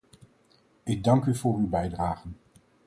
Ik dank u voor uw bijdragen.